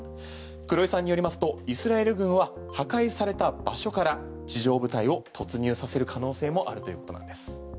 黒井さんによりますとイスラエル軍は破壊された場所から地上部隊を突入させる可能性もあるということなんです。